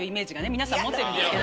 皆さん持ってるんですけど。